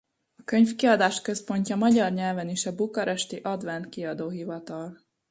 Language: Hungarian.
A könyvkiadás központja magyar nyelven is a bukaresti Advent Kiadóhivatal.